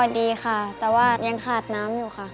ดีค่ะแต่ว่ายังขาดน้ำอยู่ค่ะ